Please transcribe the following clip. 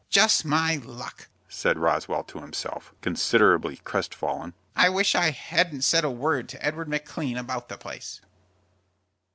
"Just my luck!" said Roswell to himself, considerably crest fallen. "I wish I hadn't said a word to Edward McLean about the place."